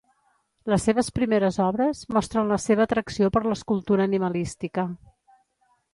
Les seves primeres obres mostren la seva atracció per l'escultura animalística.